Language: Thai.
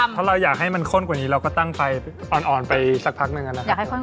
เพราะเราอยากให้มันข้นกว่านี้เราก็ตั้งไฟอ่อนไปสักพักหนึ่งนะครับ